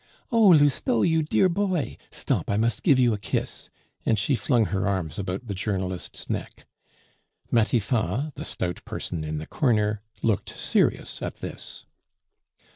"Oh! Lousteau, you dear boy! stop, I must give you a kiss," and she flung her arms about the journalist's neck. Matifat, the stout person in the corner, looked serious at this.